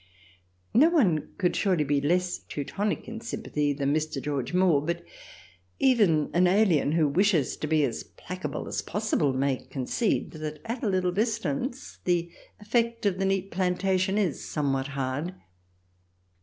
No one could surely be less Teutonic in sympathy than Mr. George Moore, but even an alien who wishes to be as placable as possible may concede that at a little distance the effect of the neat planta tion is somewhat hard.